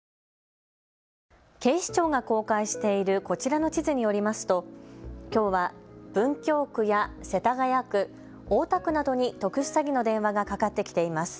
警視庁が公開しているこちらの地図によりますときょうは文京区や世田谷区、大田区などに特殊詐欺の電話がかかってきています。